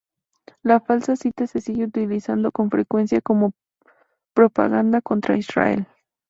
La falsa cita se sigue utilizando con frecuencia como propaganda contra Israel.